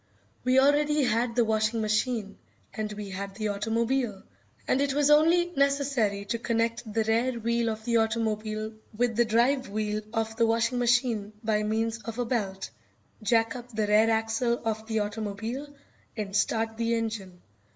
We already had the washing machine, and we had the automobile, and it was only necessary to connect the rear wheel of the automobile with the drive wheel of the washing machine by means of a belt, jack up the rear axle of the automobile, and start the engine.